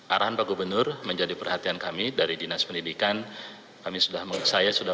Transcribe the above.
arahan pak gubernur menjadi perhatian kami dari dinas pendidikan kami sudah saya sudah